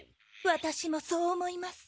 ワタシもそう思います。